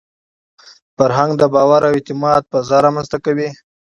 فرهنګ د باور او اعتماد فضا رامنځته کوي.